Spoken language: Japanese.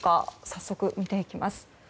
早速、見ていきます。